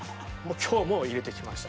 今日も入れてきました。